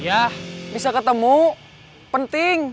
yah bisa ketemu penting